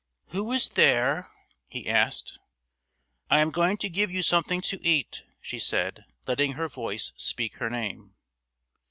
"Who is there?" he asked. "I am going to give you something to eat," she said, letting her voice speak her name.